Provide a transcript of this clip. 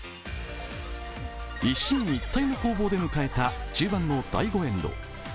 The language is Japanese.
一進一退の攻防で迎えた中盤の第５エンド。